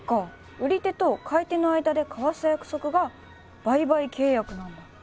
売り手と買い手の間でかわす約束が売買契約なんだ。